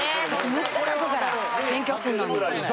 むっちゃ書くから勉強すんのに。